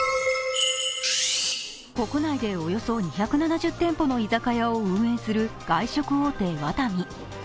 国内でおよそ２７０店舗の居酒屋を運営する外食大手のワタミ。